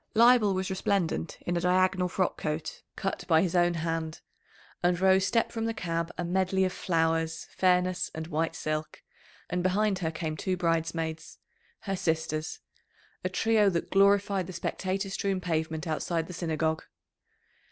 Leibel was resplendent in a diagonal frock coat, cut by his own hand, and Rose stepped from the cab a medley of flowers, fairness, and white silk, and behind her came two bridesmaids her sisters a trio that glorified the spectator strewn pavement outside the Synagogue.